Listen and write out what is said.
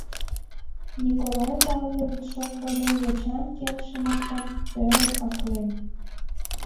Николай Павлович шоҥго ден йочан келшымыштым тӧрын аклен.